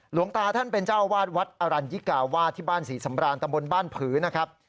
หลวงตาท่านเป็นเจ้าวาดวัดอรัญญิกาวาที่บ้านศรีสำรานตำบลบ้านผือนะครับ